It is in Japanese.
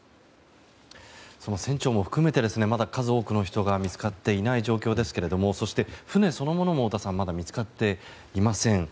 その船長も含めてまだ数多くの人が見つかっていない状況ですがそして太田さん、船そのものもまだ見つかっていません。